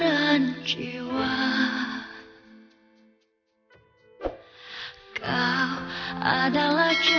nanti gue teman lagi